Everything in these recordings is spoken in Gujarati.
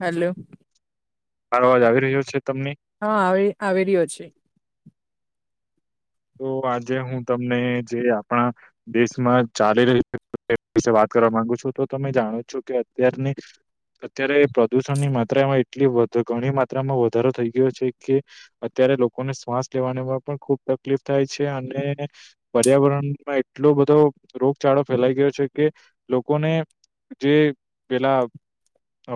હલો અવાજ આવી રહ્યો છે તમને હા આવી આવી રહ્યો છે તો આજે હું તમને જે આપણા દેશમાં ચાલી રહી વિશે વાત કરવા માંગુ છું તો તમે જાણો છો કે અત્યારની અત્યારે પ્રદુષણની માત્રામાં એટલી વધી ઘણી માત્રામાં વધારો થઈ ગયો છે કે ત ત્યારે લોકોને શ્વાસ લેવાની પણ ખૂબ ત કલીફ થાય છે અને પર્યાવરણમાં એટલો બધો રોગચાળો ફેલાઈ ગયો છે કે લોકોને જે પેલા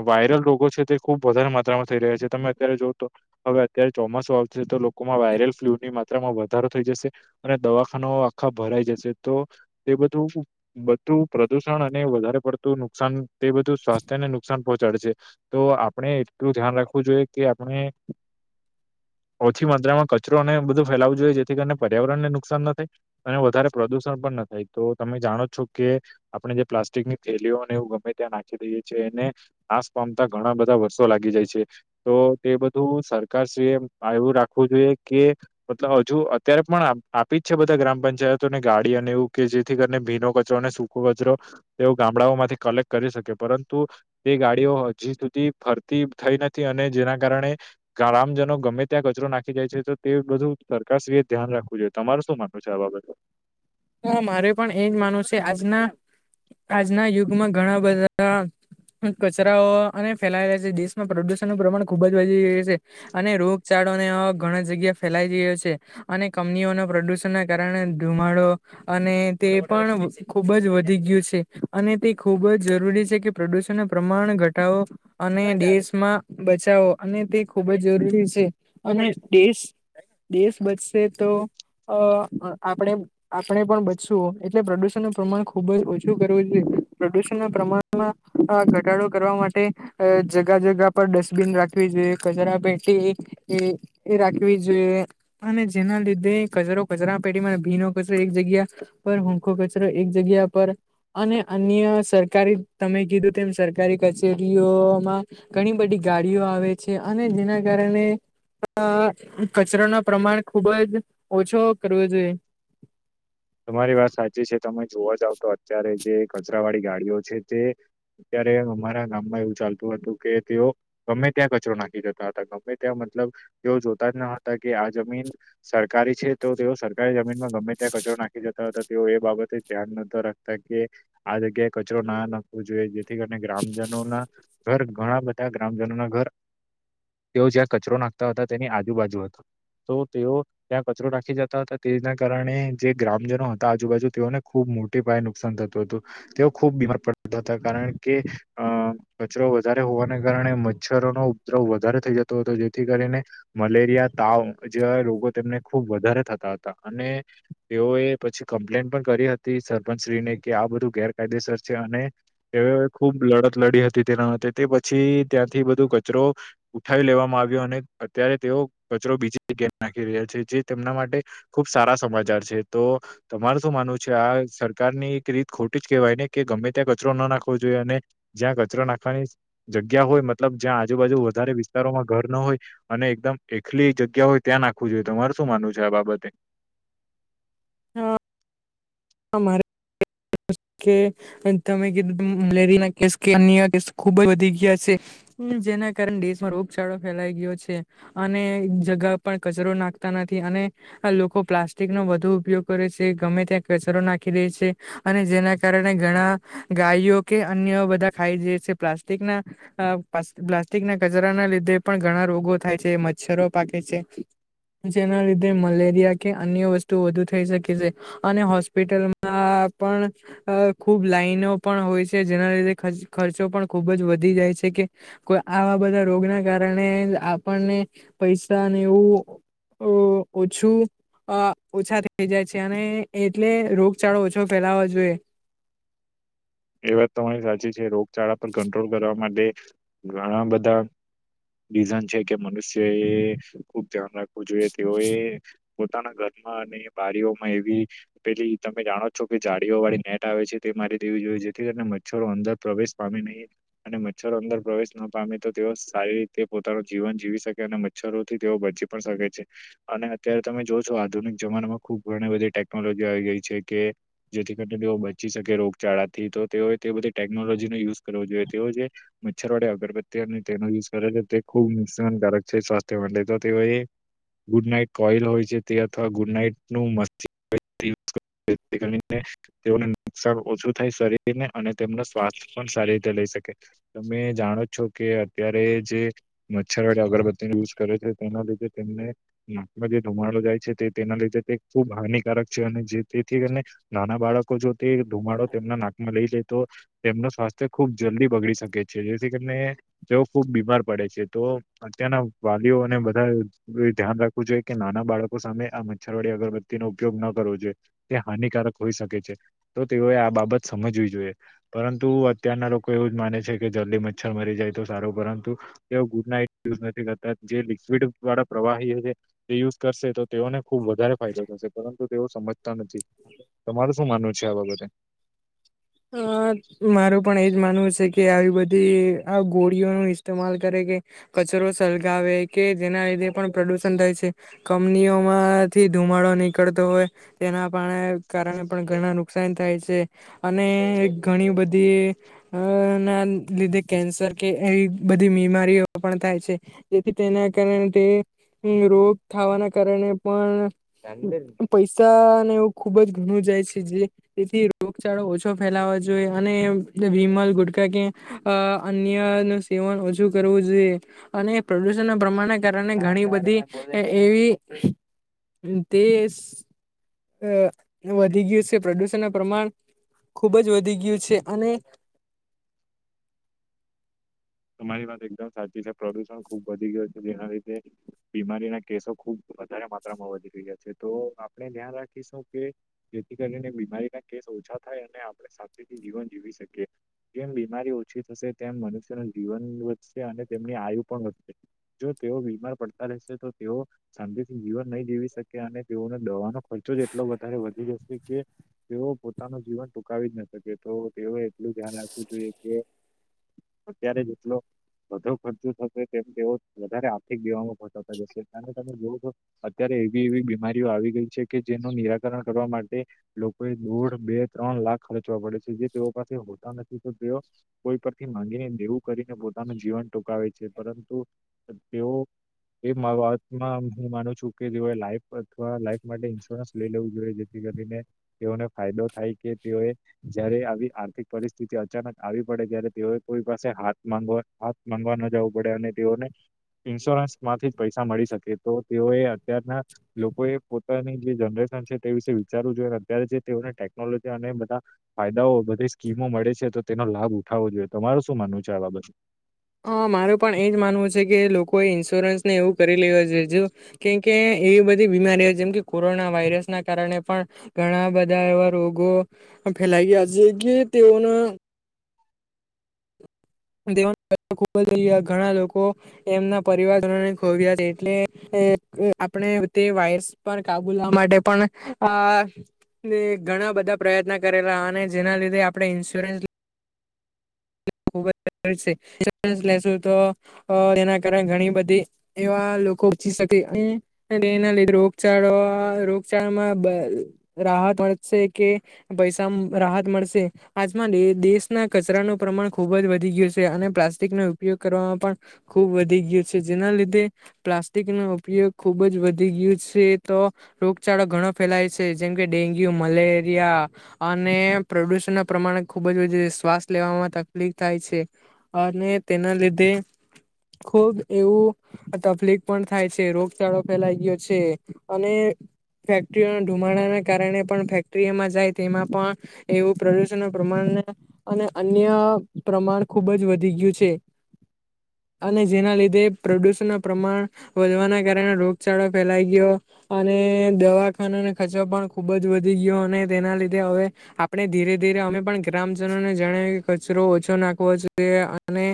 વાયરલ રોગો છે તે ખુબ વધારે માત્રામાં થઈ રહ્યા છે તમે અત્યારે જોવ તો હવે અત્યારે ચોમાસું આવ તો લોકોમાં વાયરલ ફ્લુ ની માત્રામાં વ ધારો થઇ જશે અને દવાખાના આખા ભરાઈ જશે તો એ બધું બધું પ્ર દુષણ અને વધારે પડતું નુકસાન તે બધું સ્વાસ્થ્યને નુકસાન પહોંચાડે છે તો આપણે એટલું ધ્યાન રાખવું જોઈએ કે આપણે ઓછી માત્રામાં કચરો અને બધું ફેલાવું જોઈએ જે થી કરીને પર્યાવરણને નુકસાન થાય અને વધારે પ્રદુષણ પણ ના થાય તો તમે જાણો છો કે આપ પણે જે પ્લાસ્ટિક ની થેલીઓને એવું ગમે ત્યાં નાખી દઈએ છે અને નાશ પામતા ઘણા બધા વર્ષો લાગી જાય છે તો તે બધું સરકાર શ્રી એ જાળવી રાખવું જોઈએ કે મતલબ હજુ ત્યારે પણ આપી જ છે બધા ગ્રામ પંચાયતોને ગાડી અને એવું કે જેથી કરીને ભીનો કચરો અને સૂકો કચરો તેઓ ગામડાઓમાંથી કલેક્ટ કરી શકે પરંતુ એ ગાડીઓ હજી સુધી ફરતી થઈ ન થી અને જેના કારણે ગ્રામજનો ગમે ત્યાં કચરો નાખી જાય છે તો તે બધું સરકાર શી ધ્યાન રાખવું જોઈએ તમારે શું માનવું છે આ બાબતે હ મારે પણ એવું માનવું છે આજના આજના યુગમાં ઘણા બધા કચરાઓ અને ફેલાયેલા છે દેશમાં પ્રદુષણનુંુ પ્રમાણ ખુબ જ વધી રહ્યું છે અને રોગચળ ઘણા જગ્યા ફેલાઈ ગયો છે અને કંપનીઓના પ્રદુષણ ના કારણે ધુમાડો અને તે પણ ખુબ જ વધી ગયું છે અને તે ખૂબ જ જરૂરી છે કે પ્રદુ સન પ્રમાણ ઘટાવો અને દેશમાં બચાવો અને તે ખૂબ જ જરૂરી છે અને દેશ દેશ બચશે તો અ આપડે આપડે પણ બચશું એટલે પપ્રદુષ ણ નું પ્રમાણ ખુબ ઓછું કરવું જોઈએ પ્રમાણમાં ઘટાડો કરવા માટે અ જગા જગા પર ડસ્ટબિન રાખવી જોઈએ કચરા પેઠી એ રાખવી જોઈએ. એ અને જેના લીધે કચરો કચરા પેઢમાં ભીનો કચરો એક જગ્યા પર હરખો કચરો એક જગ્યા પર અને અન્ય સરકારી તમ મે કીધું તેમ સરકારી કચેરીઓમાં ઘણી બધી ગાડીઓ આવે છે અને જેના કારણ ને આ કચરો ના પ્રમાણ ખુબ જ ઓછો કરવો જોઈએ તમારી વાત સાચી છે તમે જોવા જાવ તો અત્યારે જે કચરા વાળી ગાડીઓ છે તે અત્યારે અમારા ગામમાં એવું ચાલતું હતું કે તેઓ ગમે ત્યાં કચરો નાખી જતા હતા ગમે ત્યાં મતલબ તેઓ જોતા જ ન હતા કે આ જમીન સરકારી છે તો તેઓ સરકારી જમીનમાં ગમે ત્યાં કચરો નાખ ખી જતા હતા તેઓ એ બાબતે ધ્યાન નતા રાખતા કે આ જગ્યાએ કચરો ના નાખવો જોઈએ જેથી કરીને ગ્રામજનોના ઘર ઘણા બધા ગ્રામજનોના ઘર તેઓ જ્યાં કચરો નાખતા હતા તેની આજુબાજુ હતો તો તેઓ ત્યાં કચરો નાખી જતા હતા તેના કારણે જે ગ્રામજનો હતા આજુબાજુ તેઓને ખુબ મોટી પાયે નુકસાન થતું હતું તેઓ ખુબ બીમાર પડતા હતા કારણ કે અ કચરો વધારે હોવાને કારણે મચ્છરો નો ઉપદ્રવ વધારે થઈ જતો હતો જેથી ક ને મલેરિયા તાવ જેવા રોગો તેમને ખુબ વધારે થતા હતા અને તેઓએ પછી કમ્પ્લેન પણ કરી હતી સરપંચશ્રીને કે આ બધું ગેરકાયદેસર છે અને એ એ ખુબ લડત લડી હતી તેના માટે તે પછી ત્યાંથી બધું કચરો ઉઠાવી લેવામાં આવ્યો અ ને અત્યારે તેઓ કચરો બીજી જગ્યા નાખી રહ્યા છે જે તેમના માટે ખુબ સારા સમાચાર છે તો તમારે શું માનવું છે આ સરકારની એક રીત ખોટી જ કેહેવાય ને કે ગમે ત્યાં કચરો ન નાખવો જો અને જ્યાં કચરો નાખવાની જગ્યા હોય મતલબ જ્યાં આજુબાજુ વધારે વિસ્તારોમાં ઘર ન હોય અને એકદમ એકલી જગ્યા હોય ત્યાં નાખવું જોઈએ તમારું શું માનવું છે આ બાબતે હા અમારે [inaudible] કે તમે કીધું મ મલેરિયા ના કેસ કે અન્ય કેસ ખુબ જ વધી ગયા છે જેમ કારણે દેશમાં રોગચાળો ફેલાઈ ગયો છે અને જગા પણ કચરો નાખતા નથી અને આ લોકો પ્લાસ્ટિક નો વધુ ઉપયોગ કરે છે ગમે ત્યાં કચરો નાખી દે છે અને જેના કારણે ઘણા ગાયો કે અન્ય બધા ખાઈ જ છે કે પ્લાસ્ટિક ના અ પ્લા પ્લાસ્ટિક ના કચરા ના લીધે પણ ઘણા રોગો થાય છે મચ્છરો થાય છે જેના લીધે મલેરિયા કે અન્ય વસ્તુ વધુ થઈ શકે છે અને હોસ્પિટલમાં પણ અ ખુબ લાઈનો પણ હોય છે જેના લીધે ખર્ચો પણ ખુબ જ વધી જાય છે કે કો આવા બધા રોગ ના કારણે આપણને પૈસાને એવું અ ઓછું અ ઓછા થઈ જાય છે અને એટલે રોગચાળો ઓછો ફેલાવાો જોઈએ એ વાત તો મારી સાચી છે રોગચાળા પર કંટ્રોલ કરવા માટે ઘણા બધા રીઝન છે કે મનુષ્ય એ ખુબ ધ્યાન રાખવું જોઈએ તેઓએ પોતાના ઘર અને બારીઓમાં એવી પેલી તમે જાણો છો કે જાડીઓ વાળી નેટ આવે છે તે મારી દેવી જોઈએ છે મચ્છરો અંદર પ્રવેશ પામી નહીં અને મચ્છરો અંદર પ્રવેશ ન પામે તો તેઓ સારી રીતે પોતાનું જીવન જીવી શકે અને મચ્છરો થી તેઓ બચી પણ શકે છે અને અત્યારે તમે જો છો આધુનિક જમા ખુબ ઘણી બધી ટેકનોલોજી આવી ગઈ છે કે જેથી કરીને તેઓ બચી શકે રોગચાળા થી તો તેઓએ તે બધી ટેકનોલોજી નો યુઝ કરવો જોઈએ તેઓ જે મચ્છરવાડી અગરબત્તી અને તેનો યુઝ કરે તે ખૂબ નુકસાનકારક છે સ્વાસ્થ્ય માટે તો તેઓય ગુડ નાઈટ કોઈલ હોય છે તે અથવા ગુડ નાઈટ નું મસ્ તેઓને [inaudible] નુકસાન ઓછું [unintelligible] થાય શરીર ને અને તેમનો સ્વાસ્થ પણ સારી રીતે લઈ શકે તમે જાણો છો કે અત્યારે જે મચ્છરવાડી અગરબત્તી યુઝ કરે છે તેના લીધે તેમને નાકમાં જે ધુમાડો જાય છે તે તેના લીધે તે ખૂબ હાનિકારક છે તેથી કરીને નાના બાળકો જો તે ધુમાડો તેમના નાકમાં લઈ લે તો તેમનું સ્વાસ્થ્ય ખૂબ જલ્દી બગડી શકે છે જેથી કરીને તેઓ ખૂબ બીમાર પડે છે તો ત્યાંના વાલીઓને બધા ધ્યાન રાખવું જોઈએ કે નાના બાળકો સામે આ મચ્છરવાડી અગરબત્તીનો ઉપયોગ ન કરવો જોઈએ તે હાનિકારક હોઈ શકે છે તો તેઓએ બાબત સમજવી જોઈએ પરંતુ અત્યારના લોકો એવું જ માને છે કે જલ્દી મચ્છર મરી જાય તો સારું પર એવુ ગુડ નાઈટ યુઝ નથી કરતા જે લીકવિડ વાળા પ્રવાહી તે યુઝ કરશે તો તેઓને ખુબ વધારે ફાયદો થશે પરંતુ તેઓ સમજતા નથી તમારું શું માનવું છે આ બાબતે? હા મારું પણ એજ માનવું છે કે આવી બધી બંધી આ ગોળીઓ ને ઇસતેમાલ કરે કે કચરો સળગાવે કે જેના લીધે પણ પ્રદુષણ થાય છે કે કંપનીઓમાંથી ધુમાડો નીકળતો હોય તેના પારણે કારણે પણ ઘણા નુકસાન થાય છે. અને ઘણી બધી અ ના લીધે કેન્સર કે એ બધી બિમારી બીમારીઓ પણ થાય છે જેથી તેના કારણે તે હ રોગ થવાના કારણે પણ પૈસાને એવું ખુબ જ ઘણું જ છે જે તેથી રો [unintelligible] [unintelligible] રોગ ચાડો ઓછો ફેલાવો જોઈએ અને વિમલ ગુટકા કે અ અન્ય ન સેવન ઓછું કરવું જોઈએ અને પ્રદુષણ ના પ્રમાણના કારણે ઘણી બધી અ એવી. તે અ વધી ગયું છે પ્રદુષણ ના પ્રમાણ. ખુબ જ વધી ગયું છે અને. તમારી વાત એકદમ સાચી છે પ્રદુષણ ખુબ વધી ગયું છે જેના લીધે બીમારીના કેસો ખુબ. વઘ વધ માત્રામાં વધી રહ્યા છે તો આપણે ધ્યાન રાખીશું કે જેથી કરીને બીમારીના કેસ ઓછા. થાય અને આપણે સાથી જીવન જીવી શકીએ જેમ બીમારી ઓછી થશે તેમ મનુષ્ય. જીવન વધશે અને તેમની આયુ પણ વધશે. જો તેઓ બીમાર પડતા રહેશે તો તેઓ શાંતિથી જીવન નહી જીવી શકે અને તેઓને દવાનો ખ ર્ચો એટલો વધારે વધી જશે કે તેઓ પોતાનું જીવન ટૂંકાવી જ ના શકે તો તેઓ એટલુ ધ્યાન રાખવું જોઈએ કે અત્યારે જેટલો વધુ ખર્ચો થશે તેમ તેઓ વધારે આર્થિક દેવામાં. [unintelligible] અત્યારે એવી એવી બીમારીઓ આવી ગઈ છે કે જેનું નિરાકરણ કરવા માટે લોકોએ દોઢ બે ત્રણ લાખ ખર્ચવા પડે છે, જે તેઓ પાસે હોતા નથી તો તેઓ કોઈ માંગીને દેવું કરીને પોતાનું જીવન ટોંકાવે છે, પરંતુ તેઓ એ મા વાતમાં હું માનું છું, કે જેઓ લાઈફ અથવા લાઈફ માટે ઇન્સ્યોરન્સ લઈ લેવું જોઈએ જેથી કરીને તેઓને ફાયદો થાય કે તેઓ જયારે આવી આર્થિક પરિસ્થિતિ અચાનક આવી પડે ત્યારે તેઓએ કોઈ પાસે હાથ માંગવા હાથ માંગવા ન જવું પડે અને તેઓને ઇન્સ્યોરન્સ માંથી જ પૈસા મળી શકે તો તેઓ એ અત્યારના લોકોએ પોતાની જે જનરેશન છે તે વિશે વિચારવું જોઈએ અને અત્યારે જે તેઓને ટેકનોલોજી અને બધા ફાયદાઓ બધી સ્કીમો મળે છે તો તેનો લાભ ઉઠાવવો જોઈએ. તમારું શું માનવું છે આવા બાબત? હ મારે પણ એજ માનવું છે કે લોકોએ ઇન્સ્યોરન્સ ને એવું કરી લેવ જો જો કેમ કે એવી બધી બીમારીઓ જેમ કે કોરોના વાયરસ ના કારણે પણ ઘણા બધા એવા રોગો ફેલાઇ ગયા જે તેઓના દેવા ખબ ઘણા લોકો એમના પરિવારજનોને ખોવ્યા છે એટલે આપણે તે વાયરસ પર કાબુ લાવા માટે પણ આ ઘણા બધા પ્રયત્ન કરેલા અને જેના લીધે આપણે ઇન્સ્યોરન્સ ખૂબ જ લ તો તેના કારણે ઘણી બધી એવા લોકો છી ના લી રોગચળો રોગચળામાં રાહત વધશે કે પૈસા રાહત મળશે આજમાં દેશના કચરા નુ પ્રમાણ ખુબ જ વધી ગયો છે, અને પ્લાસ્ટિકનો ઉપયોગ કરવામાં પણ ખૂબ વધી ગયો છે જેના લીધે પ્લાસ્ટિક નો ઉપયોગ ખુબ જ વધી ગયો છે, તો રોગચાળો ઘણો ફેલાય છે જેમ કે ડેન્ગ્યુ મલેરિયા અને પ્રદૂષણ ના પ્રમાણે ખુબ જ વધુ શ્વાસ લેવામાં તક લીફ થાય છે અને તેના લીધે ખુબ એવું તકલીફ પણ થાય છે, રોગચાળો ફેલાઈ ગયો છે અને ફેક્ટરીઓના ધુમાડાના કારણે પણ ફેક્ટરીમાં જાય તેમાં પણ એવું પ્રદુષણ પ્રમાણ અને અન્ય પ્રમાણ ખુબ જ વધી ગયું છે. [inaudible] અને જેના લીધે પ્રદુષણ નુ પ્રમાણ વધવાના કારણે રોગચળો ફેલાઈ ગયો અને દવાખાના ખર્ચો પણ ખુબ જ વધી ગયો અને તેના લીધે હવે આપણે ધીરે ધીરે અમે પણ ગ્રામજનોને જણાવ્યું કે ક ચરો ઓછો નાખવો જોઈએ અને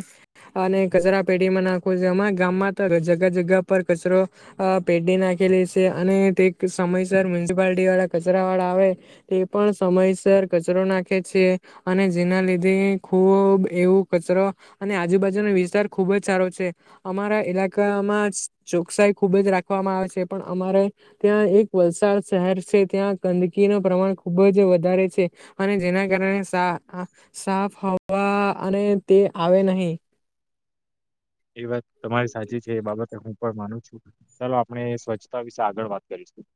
અને કચરા પેટીમાં નાખવો છે, અમા ગામમાં તો જગા જગા પર કચરો પેડી નાખેલી છે, અને તે સમયસર મ્યુનિસિપાલટી વાળા કચરા વાળા આવે તે પણ સમયસર કચરો નાખે છે, અને જેના લીધે ખૂબ એવું કચરો અને આજુબાજુનો વિસ્તાર ખુબ જ સારો છે અમારા ઇલાકા માં ચોકસાઈ ખુબ જ રાખવામાં આવે છે પણ અમારે ત્યાં એક વલસાડ શહેર છે ત્યાં ગંદકી નુ પ્રમાણ ખુબ જ વધારે છે, અને જેના કારણે સા અ સાફ હ વા અને તે આવે નહી. એ વાત તમારી સાચી છે, એ બાબતે હું પણ માનું છું ચાલો આપણે સ્વચ્છતા વિશે આગળ વાત કરી [inaudible]